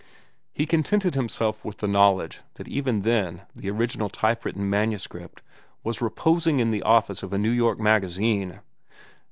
He contented himself with the knowledge that even then the original type written manuscript was reposing in the office of a New York magazine.